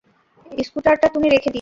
স্কুটারটা তুমি রেখে দিও।